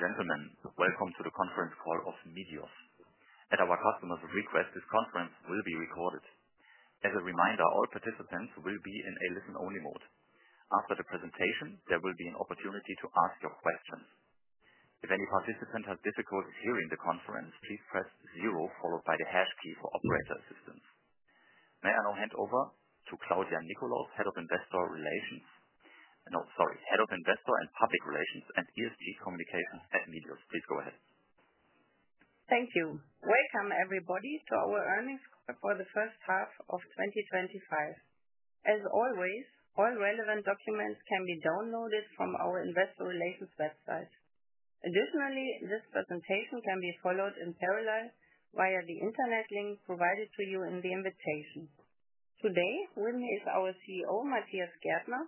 Ladies and gentlemen, welcome to the conference call of Medios. At our customers' request, this conference will be recorded. As a reminder, all participants will be in a listen-only mode. After the presentation, there will be an opportunity to ask your questions. If any participant has difficulties hearing the conference, please press zero followed by the hash key for operator assistance. Now, I'll hand over to Claudia Nickolaus, Head of Investor and Public Relations and ESG Communications at Medios. Please go ahead. Thank you. Welcome, everybody, to our earnings for the first half of 2025. As always, all relevant documents can be downloaded from our Investor Relations website. Additionally, this presentation can be followed in parallel via the internet link provided to you in the invitation. Today, with me is our CEO, Matthias Gärtner,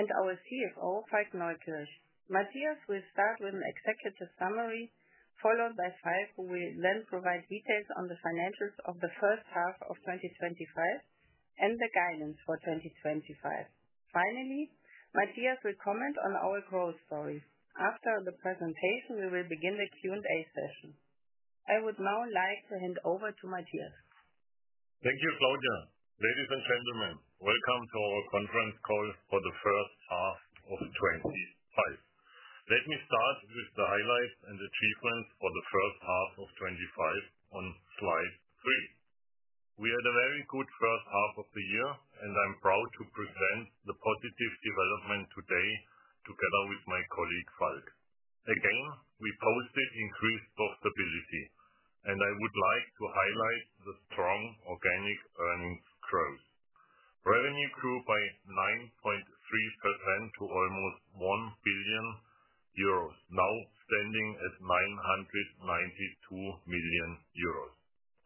and our CFO, Falk Neukirch. Matthias will start with an executive summary, followed by Falk who will then provide details on the financials of the first half of 2025 and the guidance for 2025. Finally, Matthias will comment on our growth story. After the presentation, we will begin the Q&A session. I would now like to hand over to Matthias. Thank you, Claudia. Ladies and gentlemen, welcome to our conference call for the first half of 2025. Let me start with the highlights and achievements for the first half of 2025 on slide three. We had a very good first half of the year, and I'm proud to present the positive development today together with my colleague Falk. Again, we posted increased profitability, and I would like to highlight the strong organic earnings growth. Revenue grew by 9.3% to almost 1 billion euros, now standing at 992 million euros.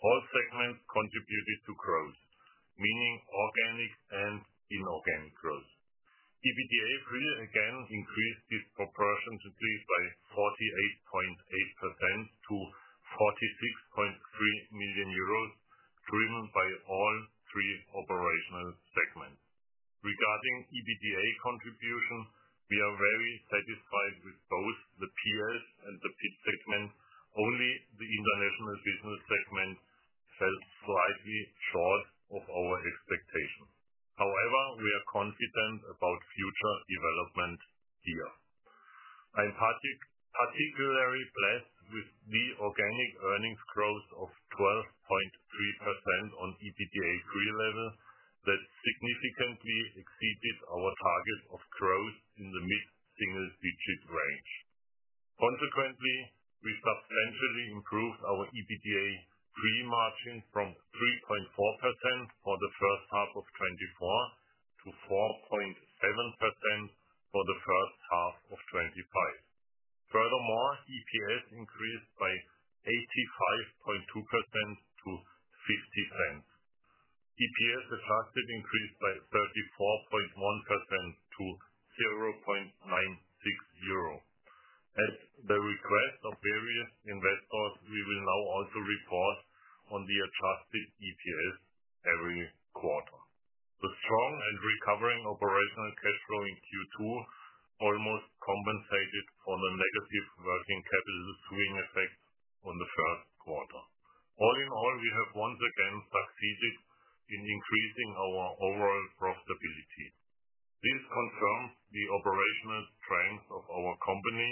All segments contributed to growth, meaning organic and inorganic growth. EBITDA pre again increased disproportionately by 48.8% to 46.3 million euros, driven by all three operational segments. Regarding EBITDA contribution, we are very satisfied with both the PS and the PST segments. Only the international business segment fell slightly short of our expectations. However, we are confident about future development here. I am particularly pleased with the organic earnings growth of 12.3% on EBITDA pre level that significantly exceeded our target of growth in the mid-single-digit range. Consequently, we substantially improved our EBITDA pre margin from 3.4% for the first half of 2024 to 4.7% for the first half of 2025. Furthermore, EPS increased by 85.2% to 0.50. EPS adjusted increased by 34.1% to EUR 0.96. At the request of various investors, we will now also report on the adjusted EPS every quarter. The strong and recovering operational cash flow in Q2 almost compensated for the negative working capital screening effect in the first quarter. All in all, we have once again succeeded in increasing our overall profitability. This confirms the operational strengths of our company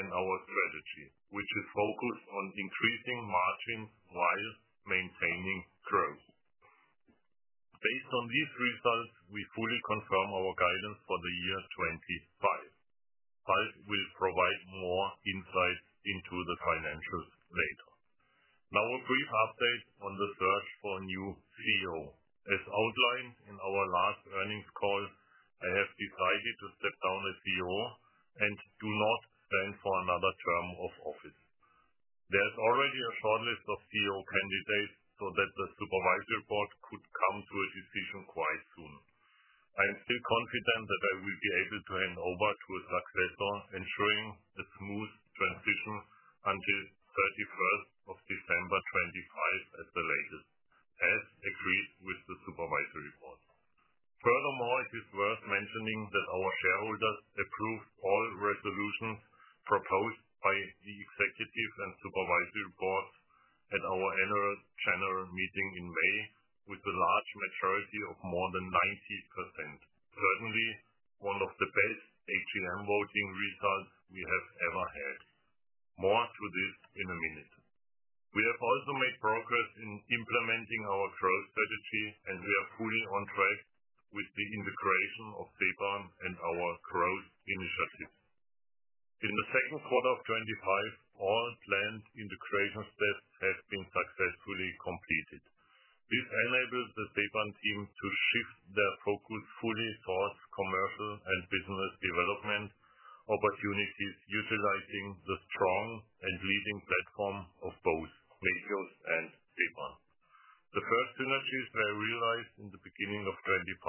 and our strategy, which is focused on increasing margins while maintaining growth. Based on these results, we fully confirm our guidance for the year 2025. Falk will provide more insights into the financials later. Now, a brief update on the search for a new CEO. As outlined in our last earnings call, I have decided to step down as CEO and do not plan for another term of office. There's already a shortlist of CEO candidates so that the supervisory board could come to a decision quite soon. I'm still confident that I will be able to hand over to a successor, ensuring a smooth transition until 31st of December 2025 at the latest, as agreed with the supervisory board. Furthermore, it is worth mentioning that our shareholders approved all resolutions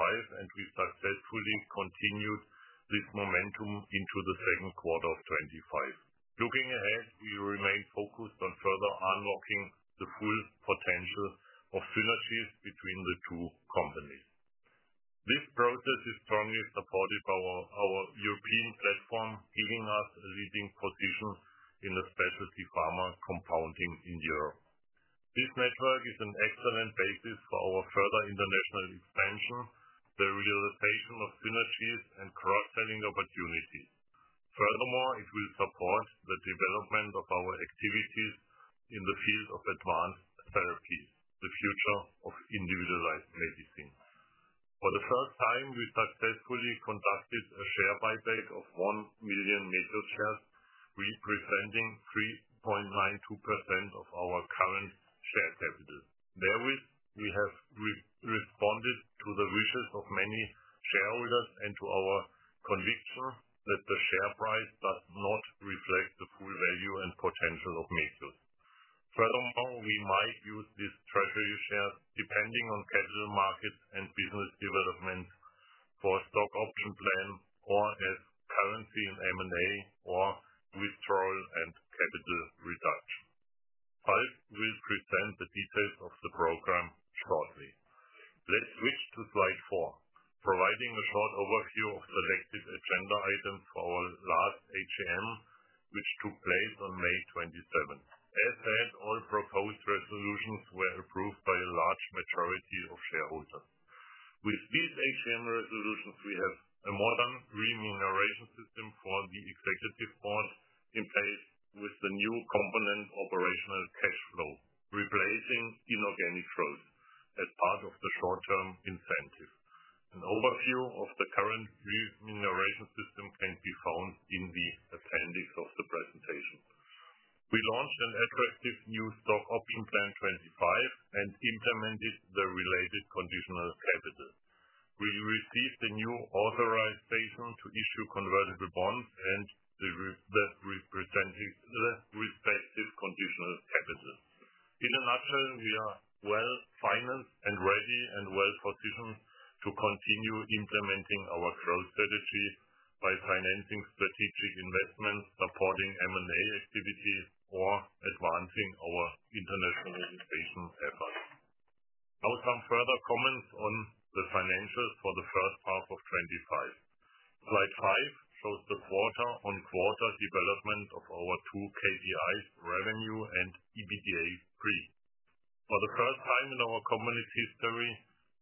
have been successfully completed. This enables the Ceban team to shift their focus fully towards commercial and business development opportunities, utilizing the strong and leading platform of both Medios and Ceban. The first synergies were realized in the beginning of 2025, and we successfully continued this momentum into the second quarter of 2025. Looking ahead, we remain focused on further unlocking the full potential of synergies between the two companies. This process is strongly supported by our European platform, giving us a leading position in the Specialty Pharma compounding in Europe. This network is an excellent basis for our further international expansion, the realization of synergies, and cross-selling opportunities. Furthermore, it will support the development of our activities in the field of advanced therapy, the future of individualized medicine. For the first time, we successfully conducted a share buyback of 1 million Medios shares, representing 3.92% of our current share capital. Therewith, we have responded to the wishes of many shareholders and to our conviction that the share price does not reflect the full value and potential of Medios. Furthermore, we might use these treasury shares depending on capital markets and business development for a stock option plan or as currency in M&A or withdrawal and capital reduction. Falk will present the details of the program shortly. Let's switch to slide four, providing a short overview of the selected agenda items for our last AGM, which took place on May 27. As said, all proposed resolutions were approved by a large majority of shareholders. With these AGM resolutions, we have a modern remuneration system for the executive board in place with the new component operational cash flow, replacing inorganic growth as part of the short-term incentive. An overview of the current remuneration system can be found in the appendix of the presentation. We launched an attractive new stock option plan in 2025 and implemented the related conditional capital. We received a new authorization to issue convertible bonds and the respective conditional capital. In a nutshell, we are well financed and ready and well positioned to continue implementing our growth strategy by financing strategic investments, supporting M&A activities, or advancing our internationalization efforts. I'll have some further comments on the financials for the first half of 2025. Slide five shows the quarter-on-quarter development of our two KPIs, revenue and EBITDA pre. For the first time in our company's history,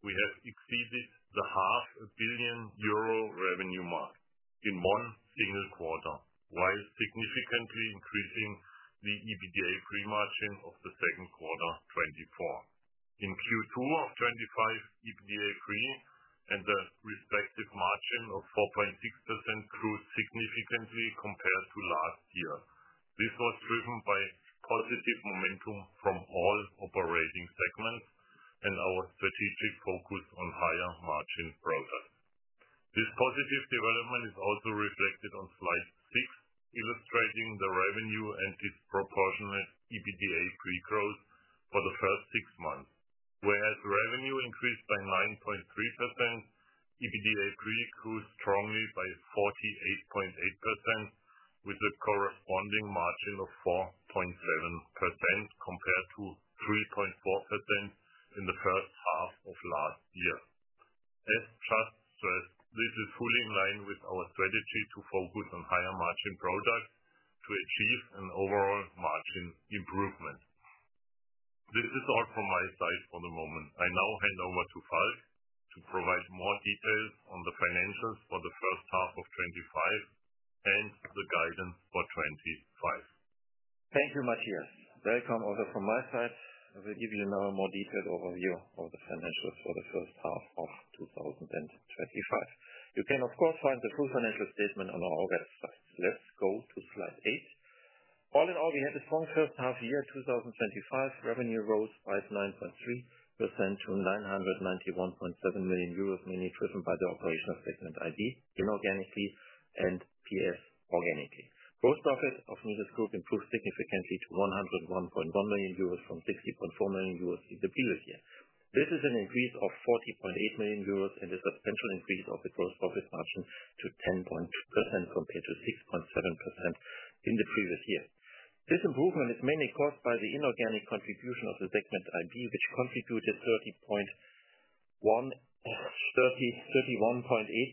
we have exceeded the half a billion euro revenue mark in one single quarter, while significantly increasing the EBITDA pre margin of the second quarter, 2024. In Q2 of 2025, EBITDA pre and the respective margin of 4.6% grew significantly compared to last year. This was driven by positive momentum from all operating segments and our strategic focus on higher margin products. This positive development is also reflected on slide six, illustrating the revenue and disproportionate EBITDA pre growth for the first six months. Whereas revenue increased by 9.3%, EBITDA pre grew strongly by 48.8%, with a corresponding margin of 4.7% compared to 3.4% in the first half of last year. As Falk stressed, this is fully in line with our strategy to focus on higher margin products to achieve an overall margin improvement. This is all from my side for the moment. I now hand over to Falk to provide more details on the financials for the first half of 2025 and the guidance for 2025. Thank you, Matthias. Welcome also from my side. I will give you now a more detailed overview of the financials for the first half of 2025. You can, of course, find the full financial statement on our August slide. Let's go to slide eight. All in all, we had a strong first half of the year 2025. Revenue rose by 9.3% to 991.7 million euros, mainly driven by the operational segment ID inorganically and PS organically. Gross profit of Medios Group improved significantly to 101.1 million euros from 60.4 million euros in the previous year. This is an increase of 40.8 million euros and a substantial increase of the gross profit margin to 10.2% compared to 6.7% in the previous year. This improvement is mainly caused by the inorganic contribution of the segment ID, which contributed 31.8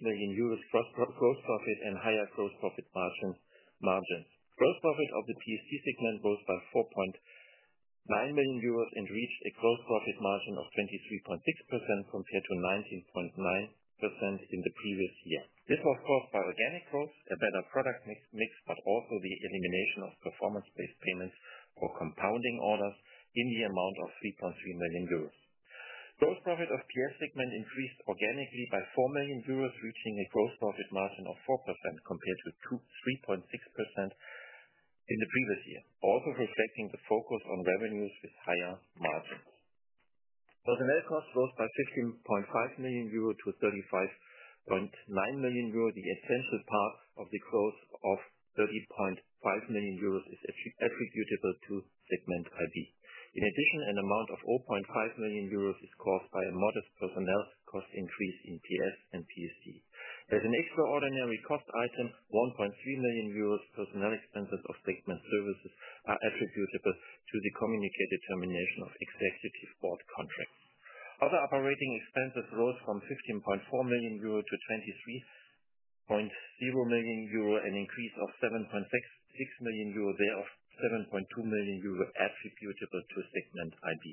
million euros plus gross profit and higher gross profit margins. Gross profit of the PST segment rose by 4.9 million euros and reached a gross profit margin of 23.6% compared to 19.9% in the previous year. This was caused by organic growth, a better product mix, but also the elimination of performance-based payments or compounding orders in the amount of 3.3 million euros. Gross profit of the PS segment increased organically by 4 million euros, reaching a gross profit margin of 4% compared to 3.6% in the previous year, also reflecting the focus on revenues with higher margins. Personnel cost rose by 15.5 million euro to 35.9 million euro. The essential part of the growth of 30.5 million euros is attributable to segment ID. In addition, an amount of 0.5 million euros is caused by a modest personnel cost increase in PS and PST. As an extraordinary cost item, 1.3 million euros personnel expenses of segment services are attributable to the communicated termination of extensive support contracts. Other operating expenses rose from 15.4 million euro to 23.0 million euro, an increase of 7.6 million euro, thereafter 7.2 million euro attributable to segment ID.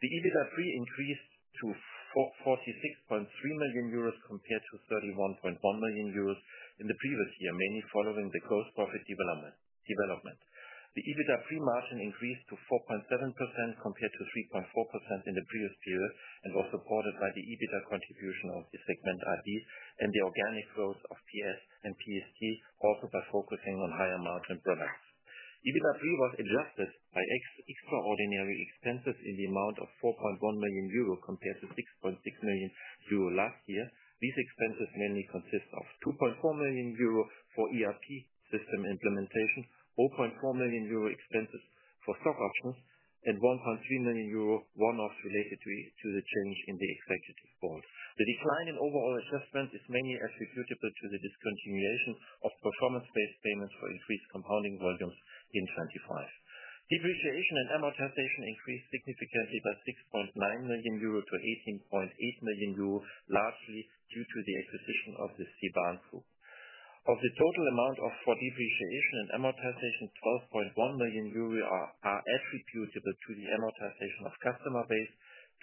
The EBITDA pre increased to 46.3 million euros compared to 31.1 million euros in the previous year, mainly following the gross profit development. The EBITDA pre margin increased to 4.7% compared to 3.4% in the previous year and was supported by the EBITDA contribution of the segment IDs and the organic growth of PS and PST, also by focusing on higher margin products. EBITDA pre was adjusted by extraordinary expenses in the amount of 4.1 million euro compared to 6.6 million euro last year. These expenses mainly consist of 2.4 million euro for ERP system implementation, 0.4 million euro expenses for stock options, and 1.3 million euro one-off related to the change in the executive board. The decline in overall adjustment is mainly attributable to the discontinuation of performance-based payments for increased compounding volume in 2025. Depreciation and amortization increased significantly by 6.9 million euro to 18.8 million euro, largely due to the acquisition of the Ceban Group. Of the total amount for depreciation and amortization, 12.1 million euro are attributable to the amortization of customer base.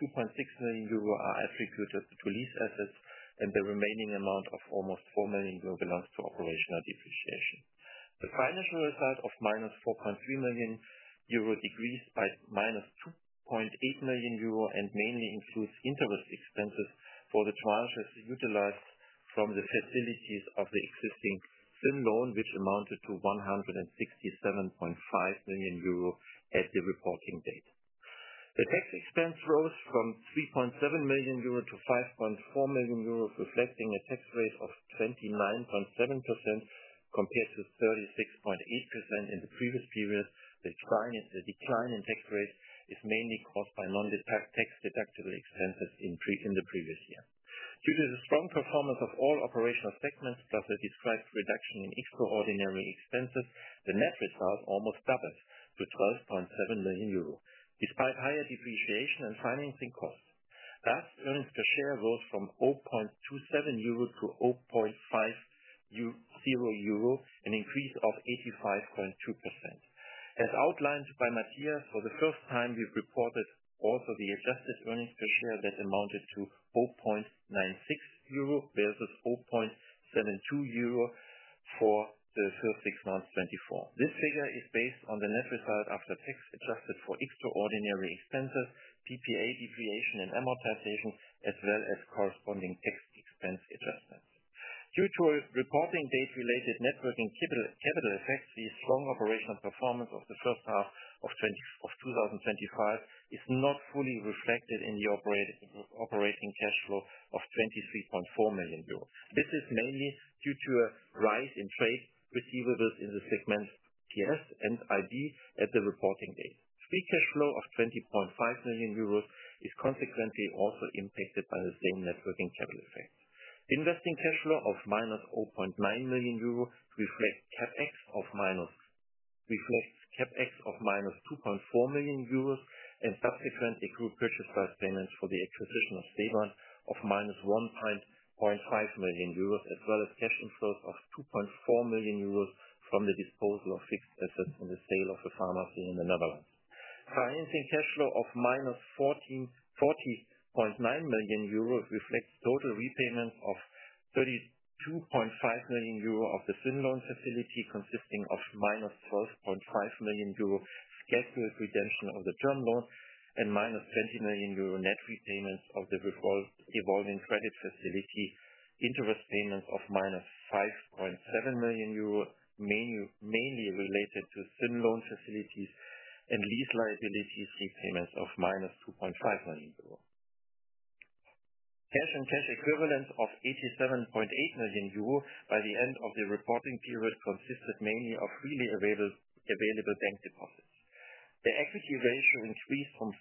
2.6 million euro are attributed to release assets, and the remaining amount of almost 4 million euro belongs to operational depreciation. The financial result of minus 4.3 million euro decreased by minus 2.8 million euro and mainly includes interest expenses for the charges utilized from the facilities of the existing SIM loan, which amounted to 167.5 million euro at the reporting date. The tax expense rose from 3.7 million euro to 5.4 million euro, reflecting a tax rate of 29.7% compared to 36.8% in the previous period. The decline in tax rate is mainly caused by non-tax deductible expenses in the previous year. Due to the strong performance of all operational segments, plus the disparate reduction in extraordinary expenses, the net result almost doubled to 12.7 million euro, despite higher depreciation and financing costs. Asked earnings per share rose from 0.27 euro to 0.50 euro, an increase of 85.2%. As outlined by Matthias, for the first time, we've reported also the adjusted earnings per share that amounted to 0.96 euro versus EUR 0.72 for the first six months of 2024. This figure is based on the net result after tax adjusted for extraordinary expenses, PPA depreciation and amortization, as well as corresponding tax expense adjustments. Due to a reporting date-related net working capital effects, the strong operational performance of the first half of 2025 is not fully reflected in the operating cash flow of 23.4 million euros. This is mainly due to a rise in trade receivables in the segments PS and ID at the reporting date. Free cash flow of 20.5 million euros is consequently also impacted by the same net working capital effect. The investing cash flow of minus 0.9 million euro reflects a CapEx of -2.4 million euros and subsequent accrued purchase price payments for the acquisition of Ceban of -1.5 million euros, as well as cash inflows of 2.4 million euros from the disposal of fixed assets in the sale of a pharmacy in the Netherlands. Financing cash flow of -14.9 million euros reflects total repayments of 32.5 million euro of the SIM loan facility, consisting of -12.5 million euro scheduled redemption of the term loan and -20 million euro net repayments of the withdrawal revolving credit facility, interest payments of minus 5.7 million euro, mainly related to SIM loan facilities and lease liabilities repayments of minus 2.5 million euro. Cash and cash equivalents of 87.8 million euro by the end of the reporting period consisted mainly of really available bank deposits. The equity ratio increased from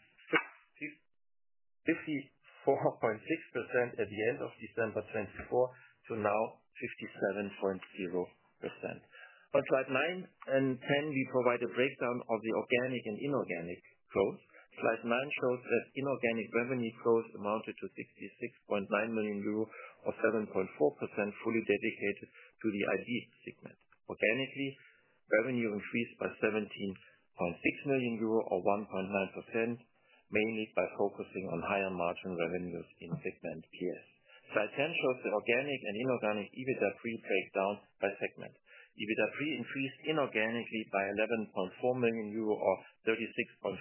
54.6% at the end of December 2024 to now 57.0%. On slide nine and ten, we provide a breakdown of the organic and inorganic growth. Slide nine shows the inorganic revenue growth amounted to 66.9 million euro or 7.4%, fully dedicated to the ID segment. Organically, revenue increased by 17.6 million euro or 1.9%, mainly by focusing on higher margin revenues in segment PS. Slide ten shows the organic and inorganic EBITDA pre breakdown by segment. EBITDA pre increased inorganically by 11.4 million euro or 36.5%,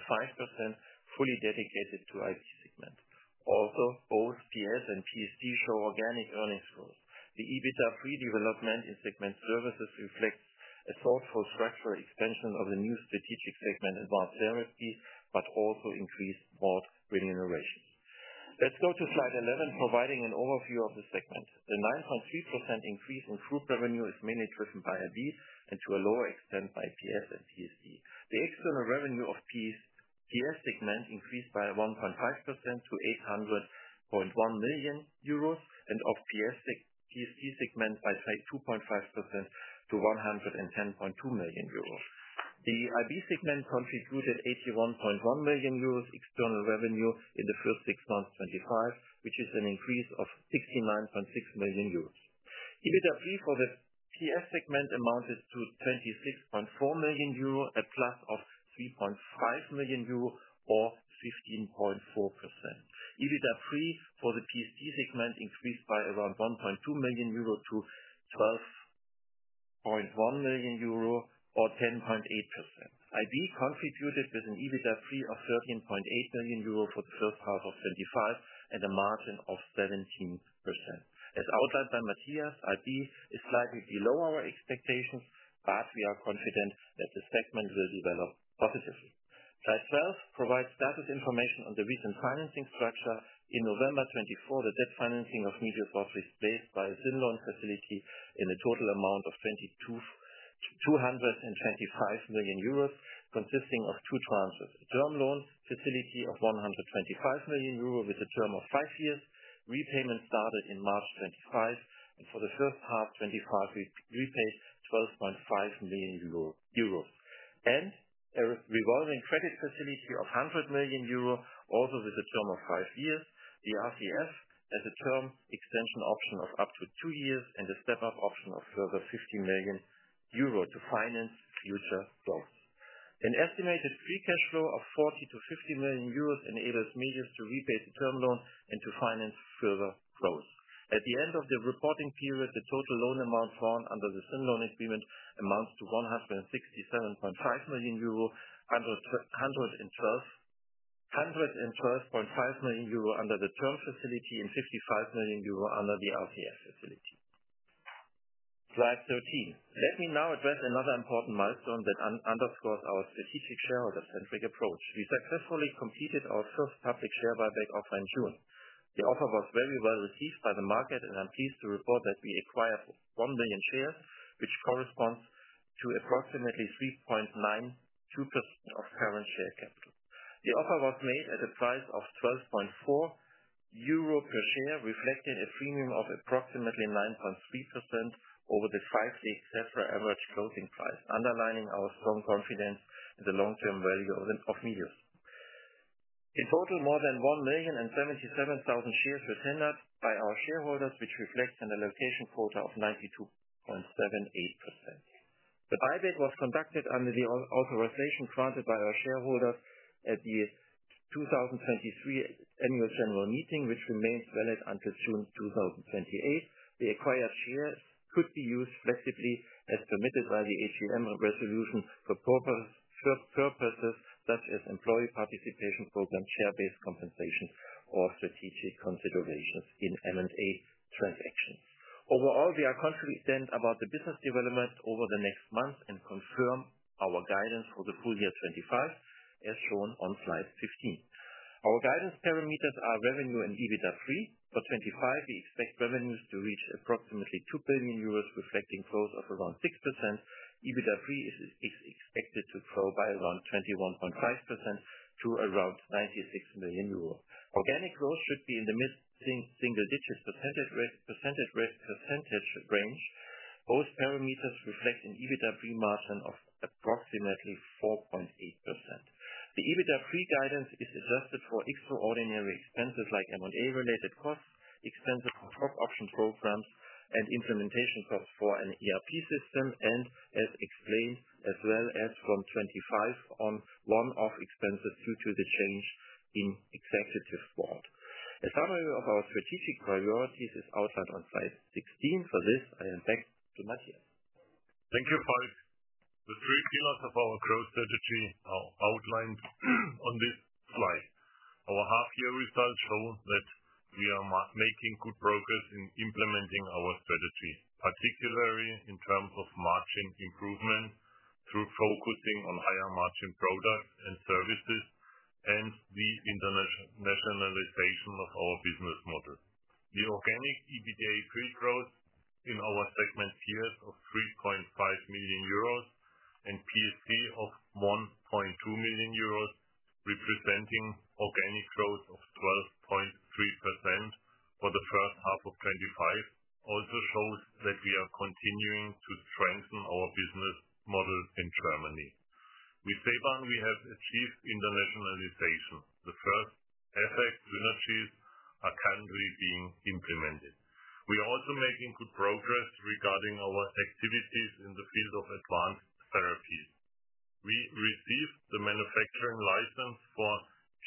fully dedicated to ID segment. Also, both PS and PST show organic earnings growth. The EBITDA pre development in segment services reflects a thoughtful structural expansion of the new strategic segment advanced therapies, but also increased board remuneration. Let's go to slide 11, providing an overview of the segments. The 9.3% increase in group revenue is mainly driven by ID and to a lower extent by PS and PST. The external revenue of PS segment increased by 1.5% to 800.1 million euros and of PST segment by 2.5% to 110.2 million euros. The ID segment contributed 81.1 million euros external revenue in the first six months of 2025, which is an increase of EUR 69.6 million. EBITDA pre for the PS segment amounted to 26.4 million euro, a plus of 3.5 million euro or 15.4%. EBITDA pre for the PST segment increased by around 1.2 million euro to 12.1 million euro or 10.8%. ID contributed with an EBITDA pre of 13.8 million euro for the first half of 2025 and a margin of 17%. As outlined by Matthias, ID is slightly below our expectations, but we are confident that the segment will develop positively. Slide 12 provides status information on the recent financing structure. In November 2024, the debt financing of Medios was replaced by a SIM loan facility in a total amount of 225 million euros, consisting of two tranches: a term loan facility of 125 million euros with a term of five years, repayment started in March 2025, and for the first half of 2025, we repaid 12.5 million euros. A revolving credit facility of 100 million euros, also with a term of five years, the RCF has a term extension option of up to two years and a step-up option of further 50 million euro to finance future growth. An estimated free cash flow of 40-50 million euros enables Medios to repay the term loan and to finance further growth. At the end of the reporting period, the total loan amount found under the SIM loan facility amounts to EUR 167.5 million, EUR 111.5 million under the term facility, and 55 million euro under the RCS facility. Slide 13. Let me now address another important milestone that underscores our specific shareholder-centric approach. We successfully completed our first public share buyback offer in June. The offer was very well received by the market, and I'm pleased to report that we acquired 1 million shares, which corresponds to approximately 3.92% of current share capital. The offer was made at a price of 12.4 euro per share, reflecting a premium of approximately 9.3% over the five-week average closing price, underlining our strong confidence in the long-term value of Medios AG. In total, more than 11 shares were tendered by our shareholders, which reflects an allocation quota of 92.78%. The buyback was conducted under the authorization granted by our shareholders at the 2023 annual general meeting, which remains valid until June 2028. The acquired shares could be used flexibly as permitted by the AGM resolution for purposes such as employee participation program, share-based compensation, or strategic considerations in M&A transactions. Overall, we are confident about the business development over the next months and confirm our guidance for the full year 2025, as shown on slide 15. Our guidance parameters are revenue and EBITDA pre. For 2025, we expect revenues to reach approximately 2 billion euros, reflecting growth of around 6%. EBITDA pre is expected to grow by around 21.5% to around 96 million euros. Organic growth should be in the mid-single-digit percentage range. Both parameters reflect an EBITDA pre margin of approximately 4.8%. The EBITDA pre guidance is adjusted for extraordinary expenses like M&A-related costs, expenses from stock option programs, and implementation costs for an ERP system, and as explained, as well as from 2025, on one-off expenses due to the change in executive remuneration system. A summary of our strategic priorities is outlined on slide 16. For this, I am back to Matthias. Thank you, Falk. The three pillars of our growth strategy are outlined on this slide. Our half-year results show that we are making good progress in implementing our strategy, particularly in terms of margin improvement through focusing on higher margin products and services and the internationalization of our business model. The organic EBITDA pre growth in our segment here is of 3.5 million euros and PSTo f 1.2 million euros, representing organic growth of 12.3% for the first half of 2025, also shows that we are continuing to strengthen our business model in Germany. With Ceban, we have achieved internationalization. The first FX synergies are currently being implemented. We are also making good progress regarding our activities in the field of advanced therapies. We received the manufacturing license for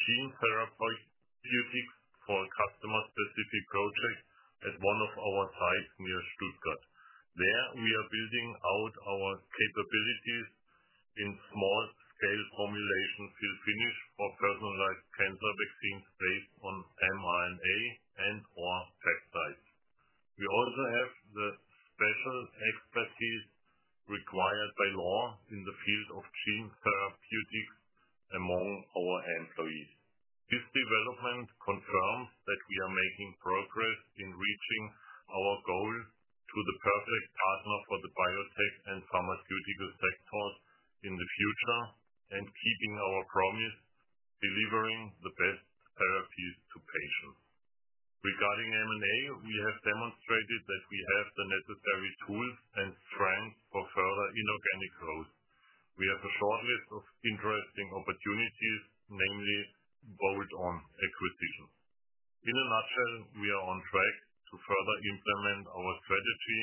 gene therapeutics for customer-specific projects at one of our sites near Stuttgart. There, we are building out our capabilities in small-scale formulation till finish for personalized cancer vaccines based on mRNA and/or peptides. We also have the special expertise required by law in the field of gene therapeutics among our employees. This development confirms that we are making progress in reaching our goals to be the perfect partner for the biotech and pharmaceutical sectors in the future and keeping our promise of delivering the best therapies to patients. Regarding M&A, we have demonstrated that we have the necessary tools and strength for further inorganic growth. We have a shortlist of interesting opportunities, namely vote on acquisition. In a nutshell, we are on track to further implement our strategy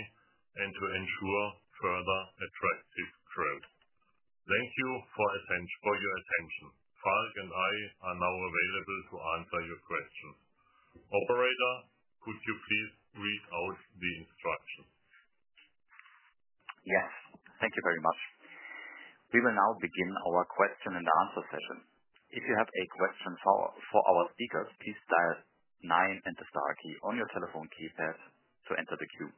and to ensure further attractive growth. Thank you for your attention. Falk and I are now available to answer your questions. Operator, could you please read out the instruction? Yes. Thank you very much. We will now begin our question and answer session. If you have a question for our speakers, please dial nine and the star key on your telephone keypad to enter the queue.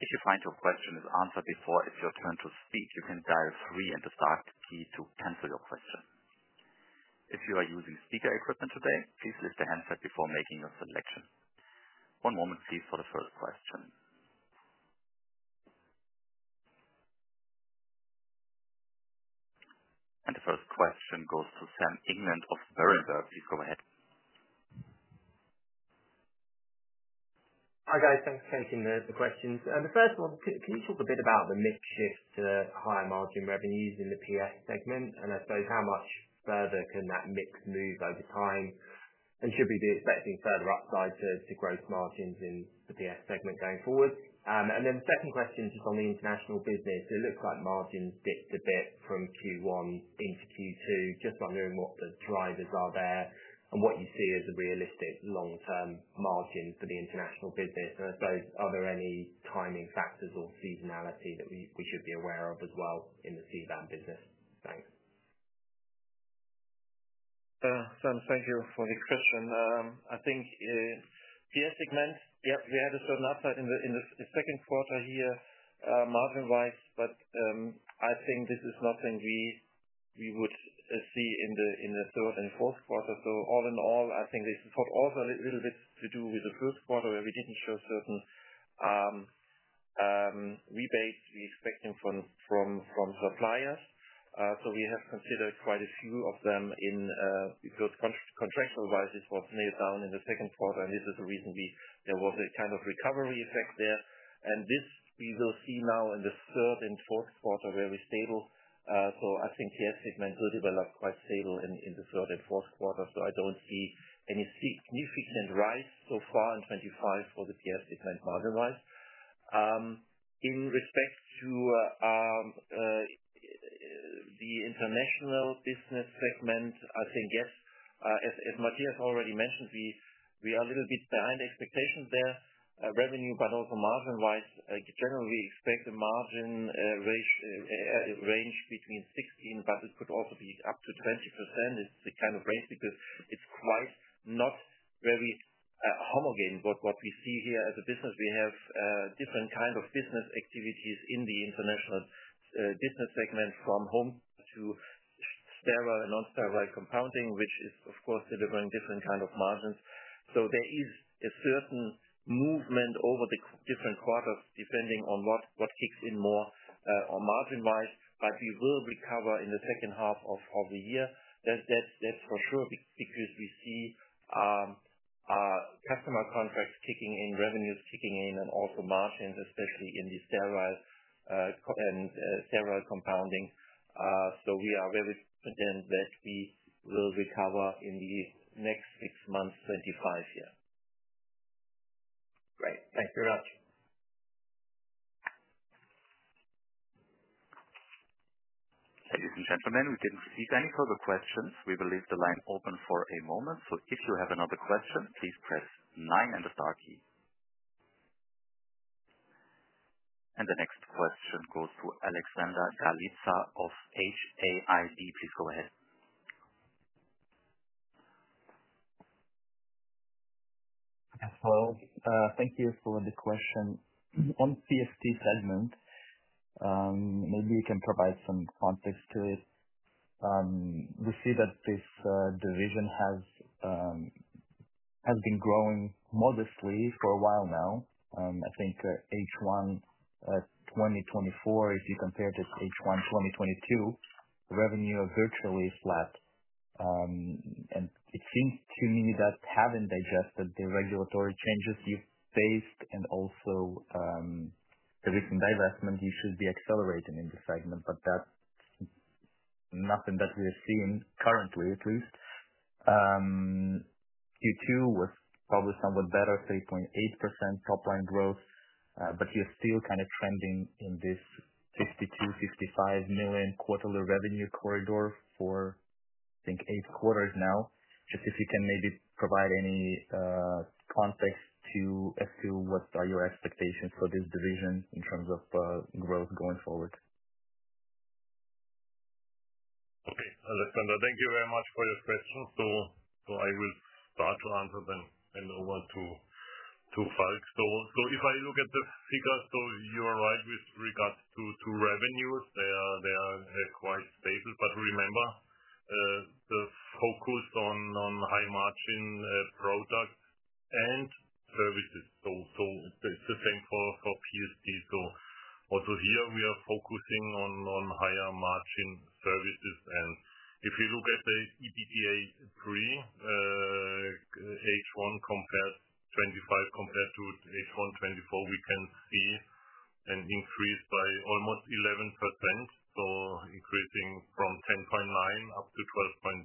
If you find your question is answered before it's your turn to speak, you can dial three and the star key to cancel your question. If you are using speaker equipment today, please leave the handset before making your selection. One moment, please, for the first question. The first question goes to Sam England of Berenberg. Please go ahead. Hi, guys. Thanks for taking the questions. The first one, can you talk a bit about the mix-shift higher margin revenues in the PS segment? I suppose, how much further can that mix move over time? Should we be expecting further upside to gross margins in the PS segment going forward? The second question is just on the international business. It looks like margins dipped a bit from Q1 into Q2. Just wondering what the drivers are there and what you see as a realistic long-term margin for the international business. I suppose, are there any timing factors or seasonality that we should be aware of as well in the Ceban business? Thanks. Sam, thank you for this question. I think the PS segment, yeah, we had a certain upside in the second quarter here, margin-wise, but I think this is nothing we would see in the third and fourth quarter. All in all, I think this is also a little bit to do with the first quarter where we didn't show certain rebates we expected from suppliers. We have considered quite a few of them in because contract prices were nailed down in the second quarter, and this is the reason there was a kind of recovery effect there. This we will see now in the third and fourth quarter very stable. I think PS segment will develop quite stable in the third and fourth quarter. I don't see any significant rise so far in 2025 for the PS segment margin-wise. In respect to the international business segment, I think, yes. As Matthias already mentioned, we are a little bit behind expectations there. Revenue, but also margin-wise, generally, we expect the margin range between 16%, but it could also be up to 20%. It's the kind of range because it's quite not very homogeneous. What we see here as a business, we have different kinds of business activities in the international business segment from home to sterile and non-sterile compounding, which is, of course, delivering different kinds of margins. There is a certain movement over the different quarters depending on what kicks in more or margin-wise. We will recover in the second half of the year. That's for sure because we see customer contracts kicking in, revenues kicking in, and also margins, especially in the sterile and sterile compounding. We are very certain that we will recover in the next six months of 2025 here. Great. Thanks very much. If we have the demand, we didn't receive any further questions. We will leave the line open for a moment. If you have another question, please press nine and the star key. The next question goes to Alexander Galitsa of HAIB. Please go ahead. Hello. Thank you for the question. On the PST segment, maybe you can provide some context to it. We see that this division has been growing modestly for a while now. I think Q1 of 2024, if you compare to Q1 of 2022, revenue is virtually flat. It seems to me that having digested the regulatory changes we've faced and also the recent divestment, we should be accelerating in the segment, but that's nothing that we are seeing currently, at least. Q2 was probably somewhat better, 3.8% top-line growth, but we are still kind of expanding in this 52 million-55 million quarterly revenue corridor for, I think, eight quarters now. If you can maybe provide any context to assume what are your expectations for this division in terms of growth going forward. Okay. Alexander, thank you very much for this question. I will start to answer then over to Falk. If I look at the figures, you're right with regards to revenues. They are quite stable. Remember, the focus on high margin products and services. It's the same for PST. Also here, we are focusing on higher margin services. If we look at the EBITDA pre, H1 compared to 2024, we can see an increase by almost 11%. Increasing from 10.9 million up to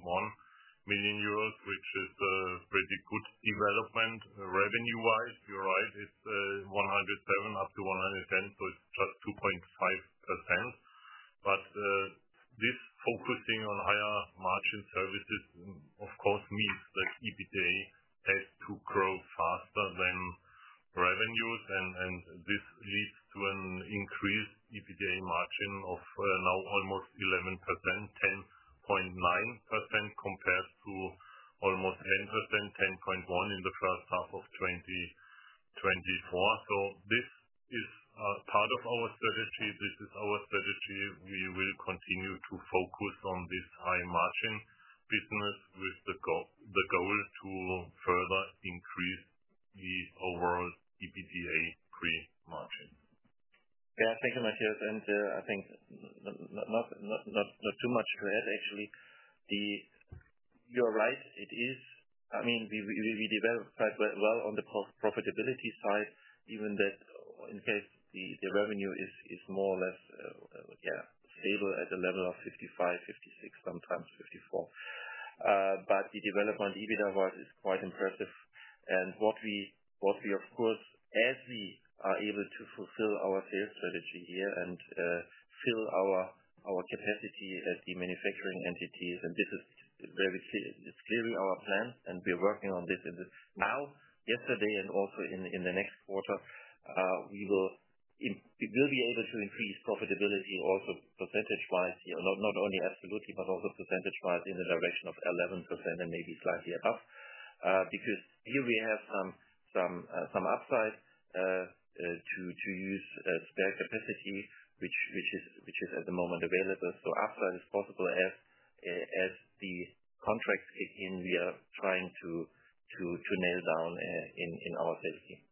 12.1 million euros, which is a pretty good development. Revenue-wise, you're right, it's 107 million up to 110 million, so it's 2.5%. This focusing on higher margin services, of course, means that EBITDA has to grow faster than revenues. This leads to an increased EBITDA margin of now almost 11%, 10.9% compared to almost 10%, 10.1% in the first half of 2024. This is part of our strategy. This is our strategy. We will continue to focus on this high margin business with the goal to further increase the overall EBITDA pre margin. Yeah. Thank you, Matthias. I think not too much to add, actually. You're right. It is. I mean, we developed quite well on the profitability side, even that in case the revenue is more or less, yeah, stable at a level of 55, 56, sometimes 54. The development EBITDA-wise is quite impressive. What we, of course, as we are able to fulfill our sales strategy here and fill our capacity as the manufacturing entities, this is very clearly our plans, and we're working on this now, yesterday, and also in the next quarter. We will be able to increase profitability also percentage-wise here, not only absolutely, but also percentage-wise in the direction of 11% and maybe slightly above. Here we have some upside to use spare capacity, which is at the moment available. Upside is possible as the contracts in we are trying to nail down in our safety.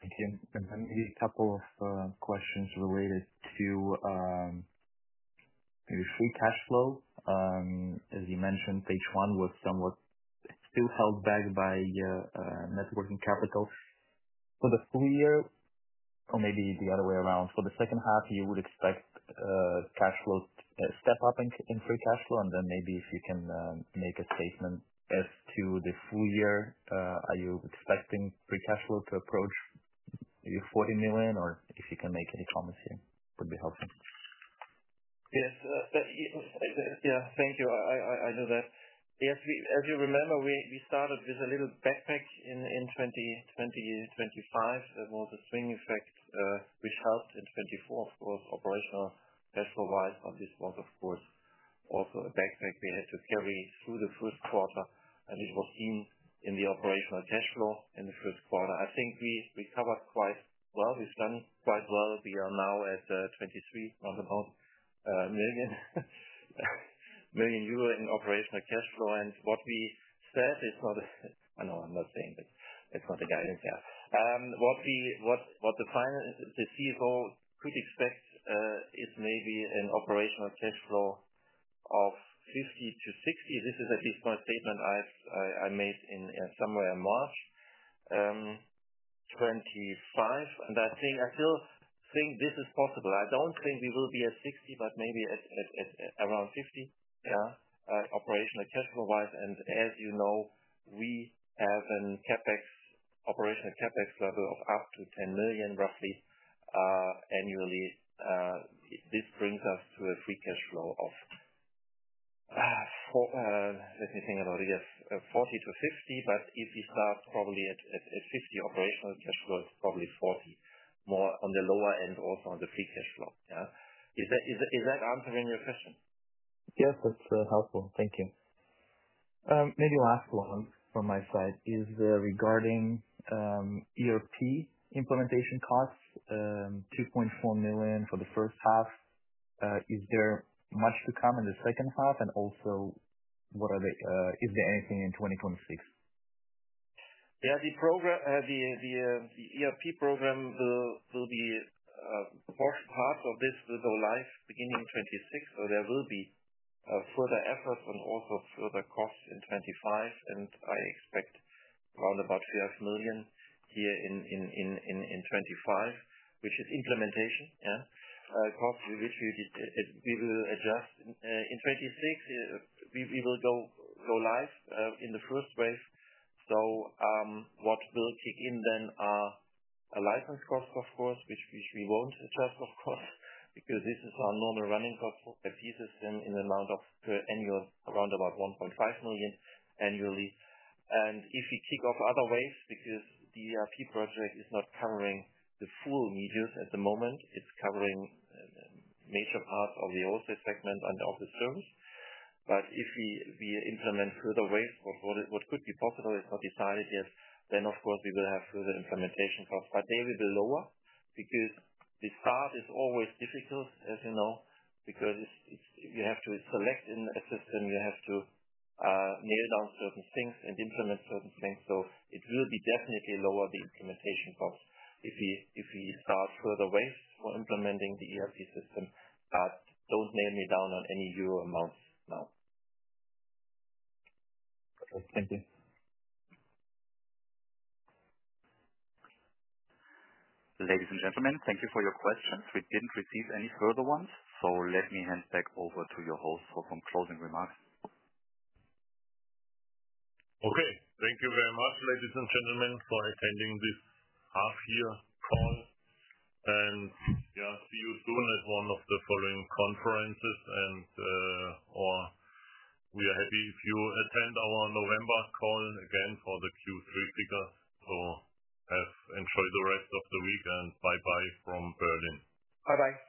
Thank you. Maybe a couple of questions related to free cash flow. As you mentioned, H1 was somewhat still held back by your networking capitals. For the full year, or maybe the other way around, for the second half, you would expect cash flow to step up in free cash flow. If you can make a statement as to the full year, are you expecting free cash flow to approach maybe 40 million? If you can make any comments here, it would be helpful. Yes. Thank you. I know that. As you remember, we started with a little backpack in 2025. It was a spring effect, which helped in 2024 for operational cash flow-wise. This was, of course, also a backpack we had to carry through the first quarter. It was seen in the operational cash flow in the first quarter. I think we recovered quite well. We've done quite well. We are now at 23 million in operational cash flow. What we said is not a—I know I'm not saying that—it's not a guidance, yeah. What the client, the CFO, could expect is maybe an operational cash flow of 50 to 60 million. This is at least my statement I made somewhere in March 2025. I think I still think this is possible. I don't think we will be at 60 million, but maybe at around 50 million, yeah, operational cash flow-wise. As you know, we have an operational CapEx`` level of up to 10 million roughly annually. This brings us to a free cash flow of—let me think about it—yes, 40 million-50 million. If we start probably at 50 million, operational cash flow is probably 40 million, more on the lower end, also on the free cash flow. Yeah. Is that answering your question? Yes, that's very helpful. Thank you. Maybe the last one from my side is regarding ERP implementation costs, 2.4 million for the first half. Is there much to come in the second half? Also, is there anything in 2026? Yeah. The ERP program will be part of this, will go live beginning of 2026. There will be further efforts and also further costs in 2025. I expect around 12 million here in 2025, which is implementation costs, which we will address in 2026. We will go live in the first phase. What will kick in then are license costs, of course, which we won't address, of course, because this is our normal running cost of the system in the amount of per annum around 1.5 million annually. If we tick off other waves, because the ERP project is not covering the full Medios at the moment, it's covering a major part of the offset segment and of the service. If we implement further waves or what could be possible is not decided yet, we will have further implementation costs. They will be lower because the start is always difficult, as you know, because you have to select in the system. You have to nail down certain things and implement certain things. It will be definitely lower, the implementation cost, if we start further waves for implementing the ERP system. Don't nail me down on any euro amount now. Okay. Ladies and gentlemen, thank you for your questions. We didn't receive any further ones. Let me hand back over to your host for some closing remarks. Thank you very much, ladies and gentlemen, for attending this half-year call. See you soon at one of the following conferences. We are happy if you attend our November cfall again for the Q3 figures. Enjoy the rest of the week, and bye-bye from Berlin. Bye-bye.